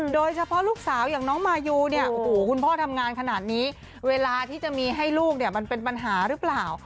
โดยเฉพาะลูกศาวจุน้องมายุคุณพ่อทำงานขนาดนี้เวลาที่จะมีให้ลูกเป็นปัญหาหรือเปล่า